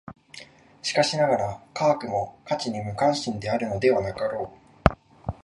しかしながら、科学も価値に無関心であるのではなかろう。